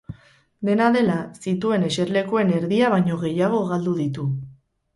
Dena dela, zituen eserlekuen erdia baino gehiago galdu ditu.